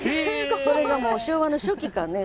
それがもう昭和の初期かね